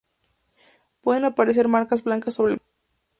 Pueden aparecer marcas blancas sobre el pecho.